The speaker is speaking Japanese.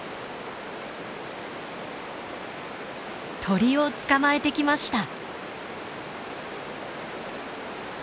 鳥を捕まえてきました！